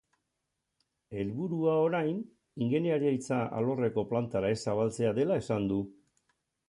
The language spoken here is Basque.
Helburua, orain, ingeniaritza alorreko plantara ez zabaltzea dela esan du.